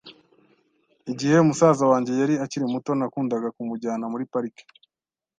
Igihe musaza wanjye yari akiri muto, nakundaga kumujyana muri parike .